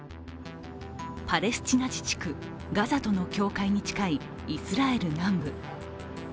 パレスチナ自治区ガザとの境界に近いイスラエル南部。